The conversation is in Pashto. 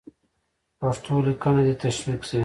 پښتو لیکنه دې تشویق سي.